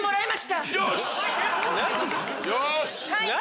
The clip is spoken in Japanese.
よし。